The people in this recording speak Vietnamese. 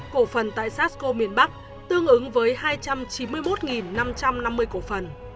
bốn mươi chín cổ phần tại sarscoe miền bắc tương ứng với hai trăm chín mươi một năm trăm năm mươi cổ phần